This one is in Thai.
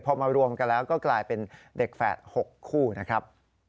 พอมารวมกันแล้วก็กลายเป็นเด็กแฝด๖คู่นะครับ